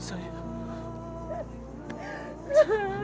saya sudah bersalah